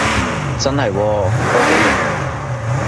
真係喎，都幾型